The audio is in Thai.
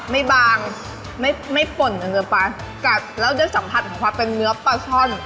ไม่บางไม่ไม่ป่นเนื้อปลากัดแล้วจะสัมผัสของความเป็นเนื้อปลาช่อน